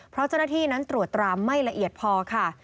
เพราะเจ้าหน้าที่นั้นตรวจตราไม่ละเอียดพอค่ะ